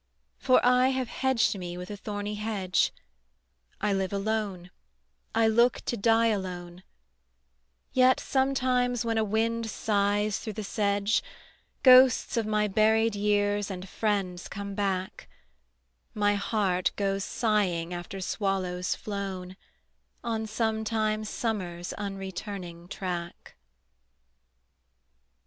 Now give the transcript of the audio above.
For I have hedged me with a thorny hedge, I live alone, I look to die alone: Yet sometimes when a wind sighs through the sedge, Ghosts of my buried years and friends come back, My heart goes sighing after swallows flown On sometime summer's unreturning track.